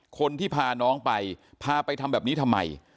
คนที่พาน้องไปพาไปทำแบบนี้ทำไม